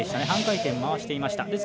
半回転、回していました。